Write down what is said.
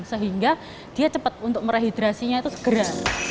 sehingga dia cepat untuk merehidrasinya itu segera